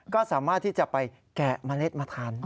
ก็สามารถที่จะไปแกะเมล็ดมาทานได้